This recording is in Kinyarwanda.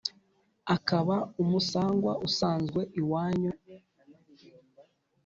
akaba umusangwa usanzwe iwanyu